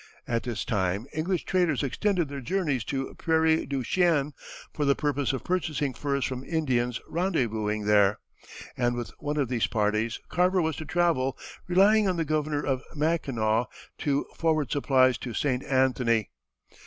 At this time English traders extended their journeys to Prairie du Chien for the purpose of purchasing furs from Indians rendezvousing there, and with one of these parties Carver was to travel, relying on the Governor of Mackinaw to forward supplies to St. Anthony.